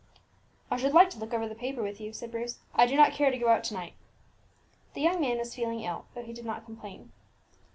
"I should like to look over the paper with you," said Bruce. "I do not care to go out to night." The young man was feeling ill, though he did not complain.